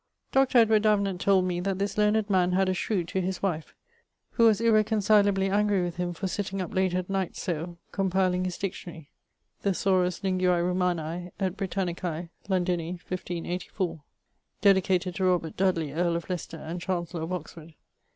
Dr. Edward Davenant told me that this learned man had a shrew to his wife, who was irreconcileably angrie with him for sitting up late at night so, compileing his Dictionarie, (Thesaurus linguae Romanae et Britannicae, Londini, 1584; dedicated to Robert Dudley, earl of Leicester, and Chancellor of Oxford).